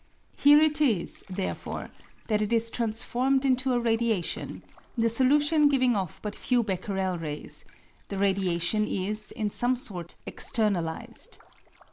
Here it is, therefore, that it is transformed into a radiation, the solution giving off but few Becquerel rays ; the radiation is, in some sort, externalised.